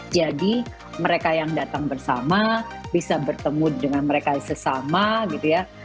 jadi mereka yang datang bersama bisa bertemu dengan mereka yang sesama gitu ya